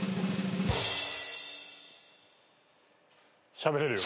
しゃべれるよ。